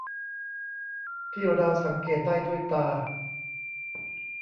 ที่เราสังเกตได้ด้วยตา